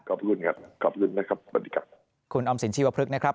ขอบคุณครับขอบคุณนะครับสวัสดีครับคุณออมสินชีวพฤกษ์นะครับ